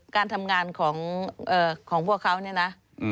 การทำงานของพวกเขาเนี่ยนะ